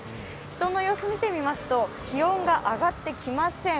人の様子を見て見ますと、気温が上がってきません。